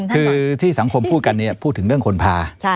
คือที่สังคมพูดกันเนี่ยพูดถึงเรื่องคนพา